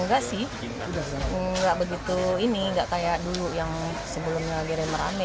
enggak begitu ini enggak kayak dulu yang sebelumnya lagi rame